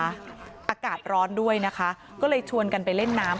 อากาศร้อนด้วยนะคะก็เลยชวนกันไปเล่นน้ำ